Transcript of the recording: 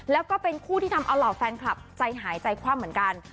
แล้วก็เป็นคู่ที่ทำเอาเหล่าแฟนคลับใจหายใจคว่ำเหมือนกัน